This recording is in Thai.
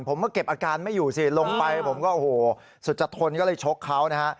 มาเก็บอาการไม่อยู่สิลงไปผมก็โอ้โหสุดจะทนก็เลยชกเขานะฮะ